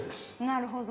なるほど。